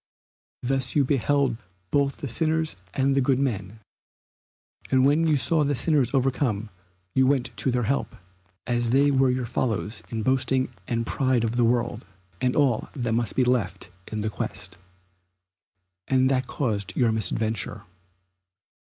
Thus you beheld both the sinners and the good men, and when you saw the sinners overcome you went to their help, as they were your fellows in boasting and pride of the world, and all that must be left in that quest. And that caused your misadventure.